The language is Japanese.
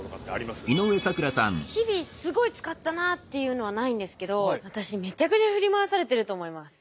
まあ日々すごい使ったなっていうのはないんですけど私めちゃくちゃ振り回されてると思います。